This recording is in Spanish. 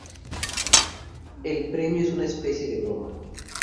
El primero es una especie de "broma".